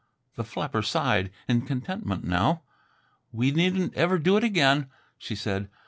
The flapper sighed in contentment, now. "We needn't ever do it again," she said.